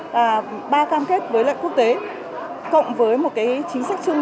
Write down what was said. ba cam kết với lệnh quốc tế cộng với một cái chính sách chung